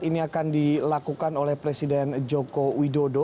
ini akan dilakukan oleh presiden joko widodo